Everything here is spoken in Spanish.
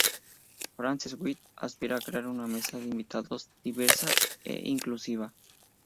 Frances-White aspira a crear una mesa de invitados diversa e inclusiva.